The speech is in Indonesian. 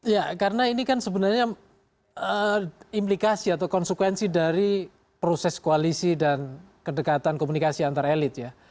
ya karena ini kan sebenarnya implikasi atau konsekuensi dari proses koalisi dan kedekatan komunikasi antar elit ya